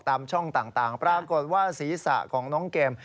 ตามช่องต่างปรากฏว่าศีรษะของน้องเกม